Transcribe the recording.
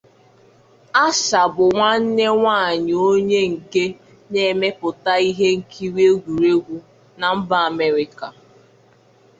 Asher bụ nwanne nwaanyị onye nke na-emepụta ihe nkiri Egwuregwu na mba America.